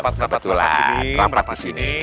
kepat kepat sini berapa sini